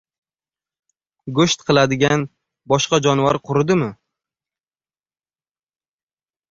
Go‘sht qiladigan boshqa jonivor quridimi?